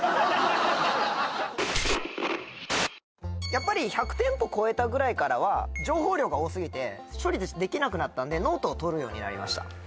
やっぱり１００店舗超えたぐらいからは情報量が多すぎて処理できなくなったんでノートを取るようになりました